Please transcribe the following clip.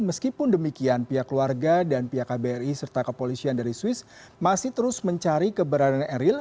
meskipun demikian pihak keluarga dan pihak kbri serta kepolisian dari swiss masih terus mencari keberadaan emeril